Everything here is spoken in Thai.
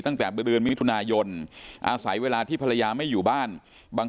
ตั้งแต่เดือนมิถุนายนอาศัยเวลาที่ภรรยาไม่อยู่บ้านบาง